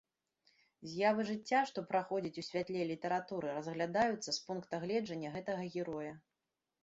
З'явы жыцця, што праходзяць у святле літаратуры, разглядаюцца з пункта гледжання гэтага героя.